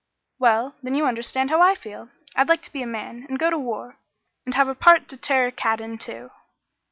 "Well, then you understand how I feel. I'd like to be a man, and go to war, and 'Have a part to tear a cat in,' too."